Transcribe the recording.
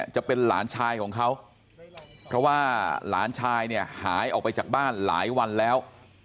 จะเป็นหลานชายของเขาเพราะว่าหลานชายเนี่ยหายออกไปจากบ้านหลายวันแล้ว